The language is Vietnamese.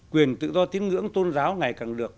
quyền tự do tín ngưỡng tôn giáo ngày càng được